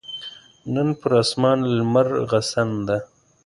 نن پر اسمان لمرغسن ده